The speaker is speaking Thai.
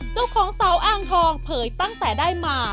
เจ้าของเสาอ่างทองเผยตั้งแต่ได้มา